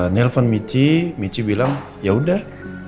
nelfon michi michi bilang yaudah